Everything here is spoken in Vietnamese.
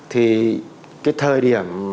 thì cái thời điểm